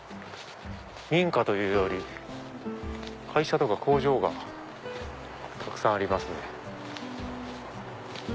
民家というより会社とか工場がたくさんありますね。